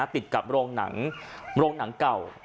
ติดกับโรงหนังเก่า